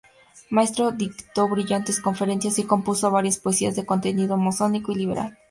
Maestro dictó brillantes conferencias y compuso varias poesías de contenido masónico y liberal.